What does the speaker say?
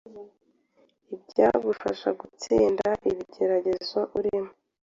ibyagufasha gutsinda ibigeragezo urimo